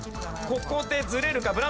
ここでずれるか？